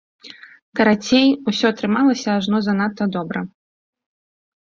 Карацей, усё атрымалася ажно занадта добра.